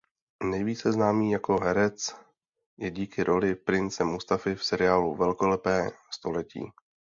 Nejvíce známý jako herec je díky roli prince Mustafy v seriálu Velkolepé století.